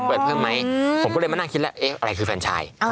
เปิดเพื่อไหมผมก็เลยมานั่งคิดละอะไรคือแฟนชาย